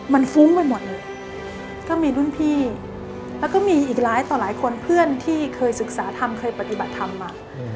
มันฟุ้งไปหมดเลยก็มีรุ่นพี่แล้วก็มีอีกหลายต่อหลายคนเพื่อนที่เคยศึกษาธรรมเคยปฏิบัติธรรมมา